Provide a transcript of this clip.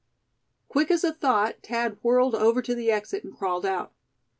Quick as thought Thad whirled over to the exit, and crawled out.